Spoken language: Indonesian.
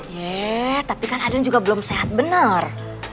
ye tapi kan aden juga belum sehat bener